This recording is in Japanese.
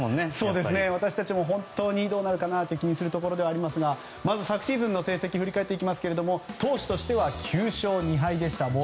私たちも本当にどうなるかなと気にするところではありますがまず昨シーズンの成績を振り返っていきますけども投手としては９勝２敗でした。